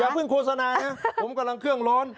อย่าเพิ่งโฆษณาเนี่ยผมกำลังเครื่องร้อน